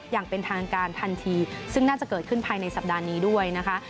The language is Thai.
อย่างเป็นทางการทันทีซึ่งน่าจะเกิดขึ้นภายในสัปดาห์นี้ด้วยนะคะ